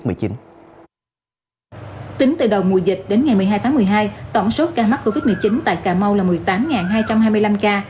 tính từ đầu mùa dịch đến ngày một mươi hai tháng một mươi hai tổng số ca mắc covid một mươi chín tại cà mau là một mươi tám hai trăm hai mươi năm ca